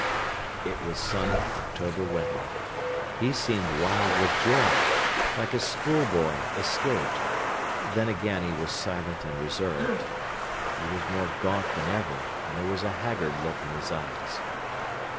It was sunny October weather. He seemed wild with joy, like a schoolboy escaped; then again he was silent and reserved. He was more gaunt than ever, and there was a haggard look in his eyes.